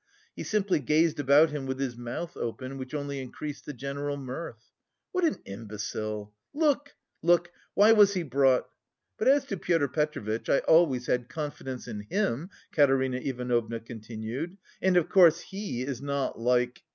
He simply gazed about him with his mouth open, which only increased the general mirth. "What an imbecile! Look, look! Why was he brought? But as to Pyotr Petrovitch, I always had confidence in him," Katerina Ivanovna continued, "and, of course, he is not like..."